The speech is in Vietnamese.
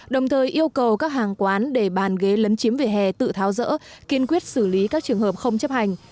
đồng thời yêu cầu các hàng quán để bàn ghế lấn chiếm vỉa hè tự tháo rỡ kiên quyết xử lý các trường hợp không chấp hành